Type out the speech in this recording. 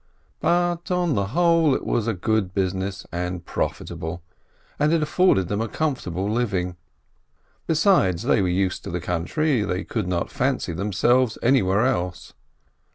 But on the whole it was a good business and profitable, and it afforded them a comfortable living. Besides, they were used to the country, they could not fancy themselves anywhere else.